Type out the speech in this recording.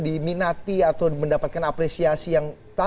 diminati atau mendapatkan apresiasi yang